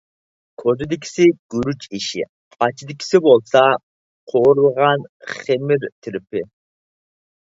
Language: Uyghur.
كوزىدىكىسى گۈرۈچ ئېشى، قاچىدىكىسى بولسا، قورۇلغان خېمىر تىرىپى.